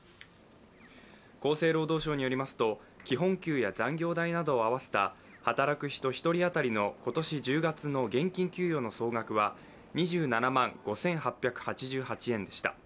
厚生労働省によりますと基本給や残業代などを合わせた働く人１人当たりの今年１０月の現金給与の総額は２７万５８８８円でした。